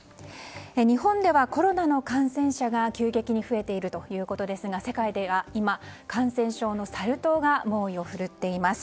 日本ではコロナの感染者が急激に増えているということですが世界では今、感染症のサル痘が猛威を振るっています。